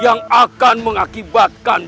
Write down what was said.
yang akan mengakibatkan